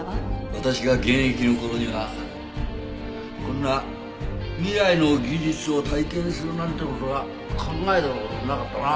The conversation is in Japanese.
私が現役の頃にはこんな未来の技術を体験するなんて事は考えた事もなかったな。